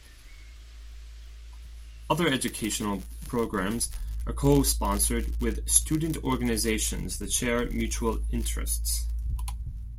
Other educational programs are co-sponsored with student organizations that share mutual interests.